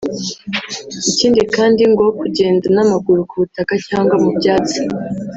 Ikindi kandi ngo kugenda n’amaguru ku butaka cyangwa mu byatsi